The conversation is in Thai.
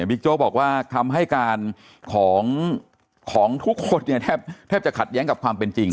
โจ๊กบอกว่าคำให้การของทุกคนเนี่ยแทบจะขัดแย้งกับความเป็นจริง